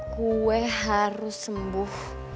gue harus sembuh